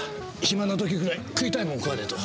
暇な時ぐらい食いたいもん食わねえと。